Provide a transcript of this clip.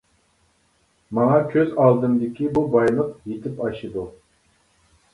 ماڭا كۆز ئالدىمدىكى بۇ بايلىق يېتىپ ئاشىدۇ.